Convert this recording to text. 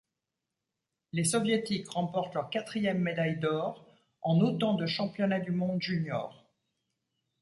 Les soviétiques remportent leur quatrième médailler d'or en autant de championnat du monde junior.